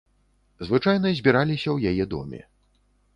Звычайна збіраліся ў яе доме.